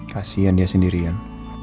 kasian dia sendirian